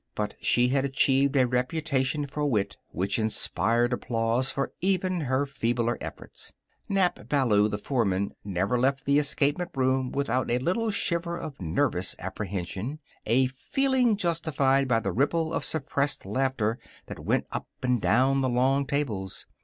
But she had achieved a reputation for wit which insured applause for even her feebler efforts. Nap Ballou, the foreman, never left the escapement room without a little shiver of nervous apprehension a feeling justified by the ripple of suppressed laughter that went up and down the long tables.